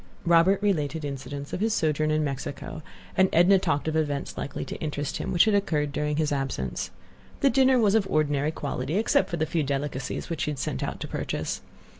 Robert related incidents of his sojourn in Mexico, and Edna talked of events likely to interest him, which had occurred during his absence. The dinner was of ordinary quality, except for the few delicacies which she had sent out to purchase.